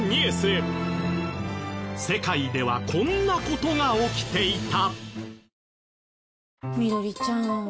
世界ではこんな事が起きていた。